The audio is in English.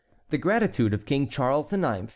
THE GRATITUDE OF KING CHARLES IX.